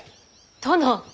殿！